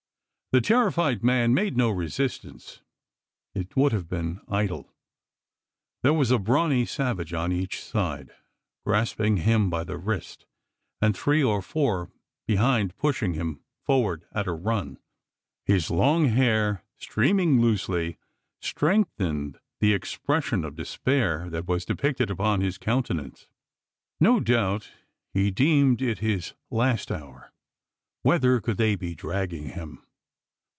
The terrified man made no resistance. It would have been idle. There was a brawny savage on each side, grasping him by the wrist; and three or four behind pushing him forward at a run. His long hair streaming loosely, strengthened the expression of despair that was depicted upon his countenance. No doubt he deemed it his last hour. Whether could they be dragging him?